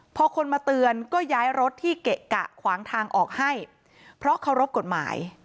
พอคนมาเตือนก็ย้ายรถที่เกะกะขวางทางออกให้เพราะเคารพกฎหมาย